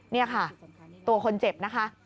นี่ค่ะตัวคนเจ็บนะคะ